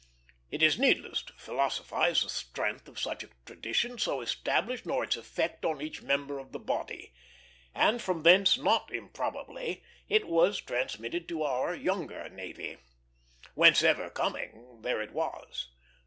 It is needless to philosophize the strength of such a tradition, so established, nor its effect on each member of the body; and from thence, not improbably, it was transmitted to our younger navy. Whencever coming, there it was.